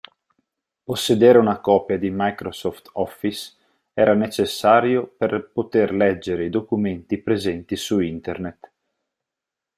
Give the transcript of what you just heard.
Possedere una copia di Microsoft Office era necessario per poter leggere i documenti presenti su internet.